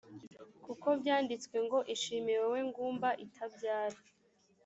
kuko byanditswe ngo ishime wowe ngumba itabyara